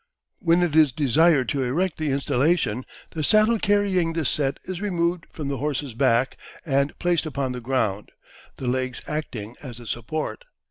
When it is desired to erect the installation the saddle carrying this set is removed from the horse's back and placed upon the ground, the legs acting as the support.